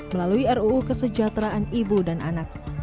melalui ruu kesejahteraan ibu dan anak